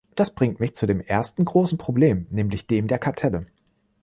Das bringt mich zu dem ersten großen Problem, nämlich dem der Kartelle.